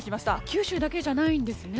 九州だけじゃないんですね。